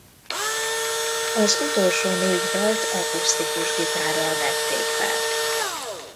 Az utolsó négy dalt akusztikus gitárral vették fel.